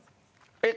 えっ？